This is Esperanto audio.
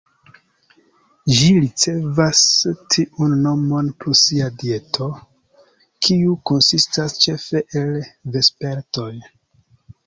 Ĝi ricevas tiun nomon pro sia dieto, kiu konsistas ĉefe el vespertoj.